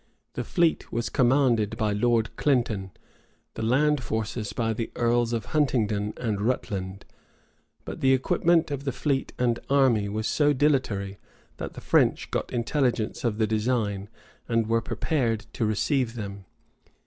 The fleet was commanded by Lord Clinton; the land forces by the earls of Huntingdon and Rutland. But the equipment of the fleet and army was so dilatory that the French got intelligence of the design, and were prepared to receive them.